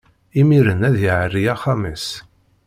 Imiren ad iɛerri axxam-is.